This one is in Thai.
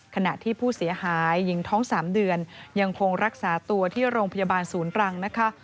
ขณะที่ผู้เสียหายหญิงท้อง๓เดือนยังคงรักษาตัวที่โรงพยาบาลศูนย์รังนะคะ